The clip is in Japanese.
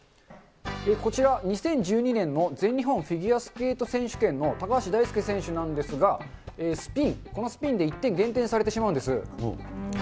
こちら、２０１２年の全日本フィギュアスケート選手権の高橋大輔選手なんですが、スピン、このスピンで１点減点されてしまうんです。